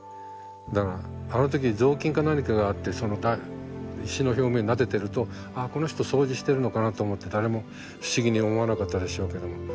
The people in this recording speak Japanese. だからあの時雑巾か何かがあってその石の表面なでてると「ああこの人掃除してるのかな」と思って誰も不思議に思わなかったでしょうけども。